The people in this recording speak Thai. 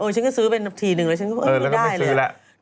ฉันก็ซื้อเป็นทีนึงแล้วฉันก็บอกไม่ได้เลย